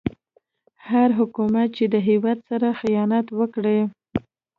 هر حکومت چې هيواد سره خيانت وکړي